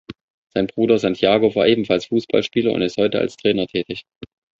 Sein Bruder Santiago war ebenfalls Fußballspieler und ist heute als Trainer tätig.